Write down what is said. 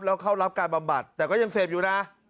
แล้วเข้ารับการบำบัดแต่ก็ยังเสพอยู่นะ